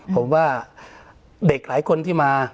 ผมว่าเด็กหลายคนที่มา